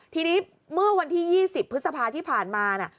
ทีนี้เมื่อวันที่๒๐พฤษภาที่ผ่านมา